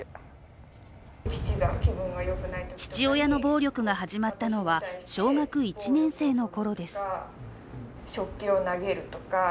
父親の暴力が始まったのは小学１年生のころです。